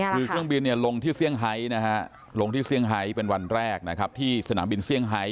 คือเครื่องบินลงที่เซียงไฮเป็นวันแรกที่สนามบินเซียงไฮ